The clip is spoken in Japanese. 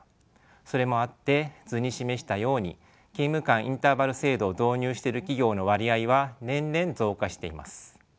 それもあって図に示したように勤務間インターバル制度を導入してる企業の割合は年々増加しています。